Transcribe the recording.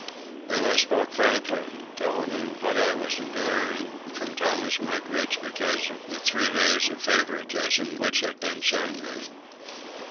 Then I spoke frankly, telling him what I was enduring from Thomas Mugridge because of the three days of favouritism which had been shown me.